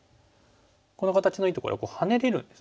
この形のいいところはハネれるんですね。